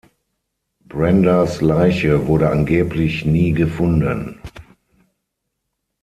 Brendas Leiche wurde angeblich nie gefunden.